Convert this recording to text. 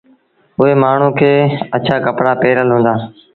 اُئي مآڻهوٚٚݩ کي اڇآ ڪپڙآ پهرل هُݩدآ